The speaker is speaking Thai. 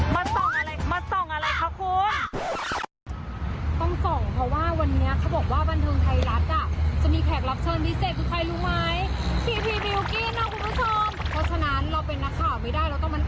มาส่องอะไรมาส่องอะไรครับคุณต้องส่องเพราะว่าวันเนี้ยเขาบอกว่าบันทึงไทยรัฐอ่ะจะมีแขกรับเชิญพิเศษคือใครรู้ไหมคุณผู้ชมเพราะฉะนั้นเราเป็นนักข่าวไม่ได้แล้วต้องมา